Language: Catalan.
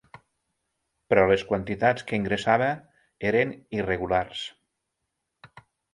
Però les quantitats que ingressava eren irregulars.